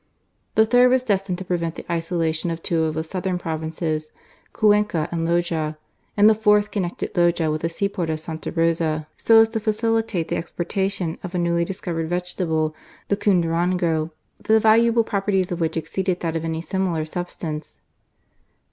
The third was destined to prevent the isolation of two of the southern provinces, Cuenca and Loja ; and the fourth connected Loja with the seaport of Sta. Rosa, so as to facilitate the exporta tion of a newly discovered vegetable, the Cundurango, the valuable properties of which exceeded that of any similar substance.